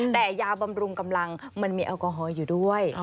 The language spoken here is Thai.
แต่ยาบำรุงกำลังมันมีแอลกอฮอล์อยู่ด้วย